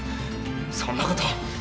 そんなこと。